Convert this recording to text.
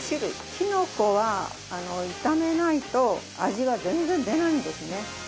きのこは炒めないと味が全然出ないんですね。